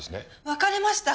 別れました。